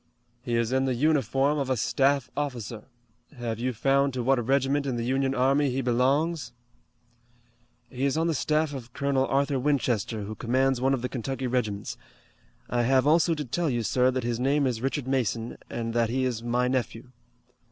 "He is in the uniform of a staff officer. Have you found to what regiment in the Union army he belongs?" "He is on the staff of Colonel Arthur Winchester, who commands one of the Kentucky regiments. I have also to tell you, sir, that his name is Richard Mason, and that he is my nephew."